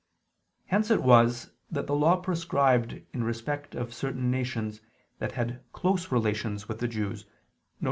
Hence it was that the Law prescribed in respect of certain nations that had close relations with the Jews (viz.